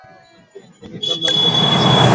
তুমি তার নাম জানিতে চাও?